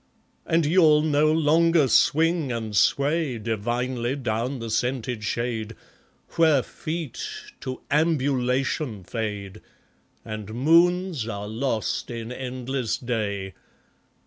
And you'll no longer swing and sway Divinely down the scented shade, Where feet to Ambulation fade, And moons are lost in endless Day.